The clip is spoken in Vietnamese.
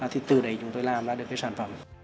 thì từ đấy chúng tôi làm ra được cái sản phẩm